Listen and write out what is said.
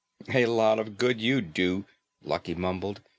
"A lot of good you'd do," Lucky mumbled.